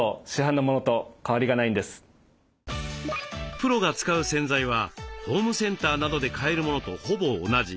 プロが使う洗剤はホームセンターなどで買えるものとほぼ同じ。